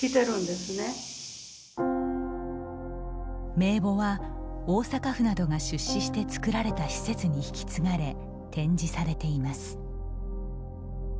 名簿は、大阪府などが出資して作られた施設に引き継がれ展示されています。